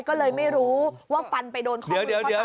ก็เลยไม่รู้ว่าฟันไปโดนข้อมือข้อไหน